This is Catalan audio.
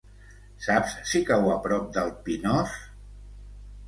Saps si cau a prop del Pinós?